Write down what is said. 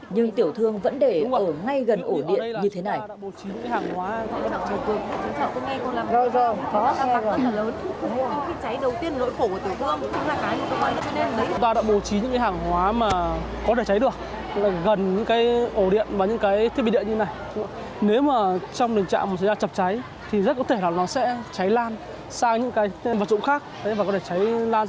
nhưng tiểu thương vẫn để ở ngay gần ổ điện như thế này